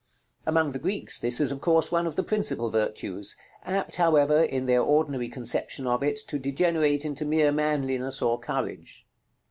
Among the Greeks, this is, of course, one of the principal virtues; apt, however, in their ordinary conception of it to degenerate into mere manliness or courage.